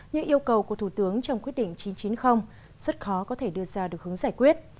những yêu cầu của thủ tướng trong quyết định chín trăm chín mươi rất khó có thể đưa ra được hướng giải quyết